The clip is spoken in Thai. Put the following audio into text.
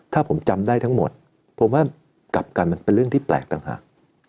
ถ้าผมจำได้ทั้งหมดผมว่ากลับกันมันเป็นเรื่องที่แปลกต่างหาก